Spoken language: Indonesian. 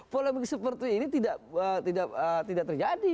polemik seperti ini tidak terjadi